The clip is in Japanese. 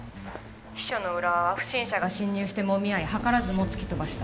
秘書の浦和は不審者が侵入してもみ合い図らずも突き飛ばした。